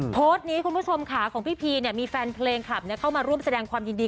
โพสต์นี้คุณผู้ชมค่ะของพี่พีมีแฟนเพลงคลับเข้ามาร่วมแสดงความยินดี